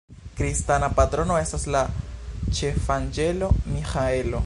Kristana patrono estas la ĉefanĝelo Miĥaelo.